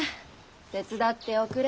手伝っておくれ。